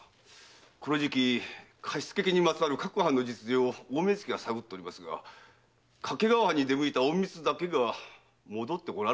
この時期貸付金にまつわる各藩の実情を大目付が探っておりますが掛川藩に出向いた隠密だけが戻っておらぬとか。